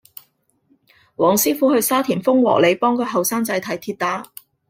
黃師傅去沙田豐禾里幫個後生仔睇跌打